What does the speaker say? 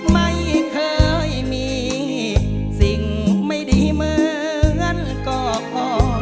ไม่เคยมีสิ่งไม่ดีเหมือนก็พอ